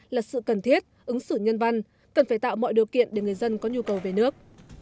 là sự cần thiết ứng xử nhân văn cần phải tạo mọi điều kiện để người dân có nhu cầu về nước